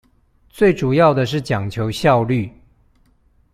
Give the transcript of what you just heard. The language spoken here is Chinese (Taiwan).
最主要的是講求效率